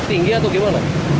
tinggi atau gimana